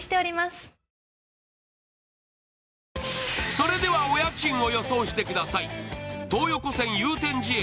それではお家賃を予想してください。